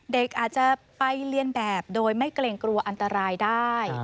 เด็กอาจจะไปเรียนแบบโดยไม่เกรงกลัวอันตรายได้